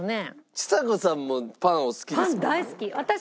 ちさ子さんもパンお好きですもんね。